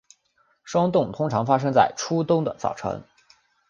霜冻通常发生在初冬的早晨。